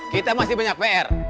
kita masih banyak pr